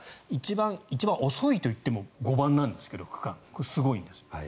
一番遅いといっても５番なんですけど、区間すごいんです。